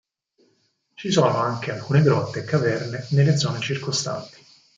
Ci sono anche alcune grotte e caverne nelle zone circostanti.